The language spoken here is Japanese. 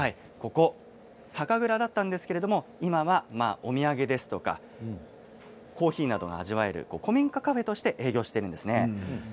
酒蔵だったんですけど今はお土産ですとかコーヒーなどが味わえる古民家カフェとして営業しています。